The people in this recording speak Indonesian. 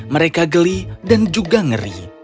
mereka geli dan juga ngeri